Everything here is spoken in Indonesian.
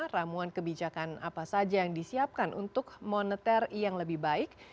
ramuan kebijakan apa saja yang disiapkan untuk moneter yang lebih baik